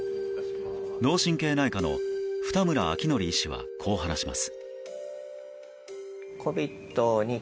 脳神経内科の二村明徳医師はこう話します。